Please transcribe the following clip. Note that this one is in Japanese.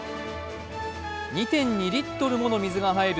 ２．２リットルもの水が入る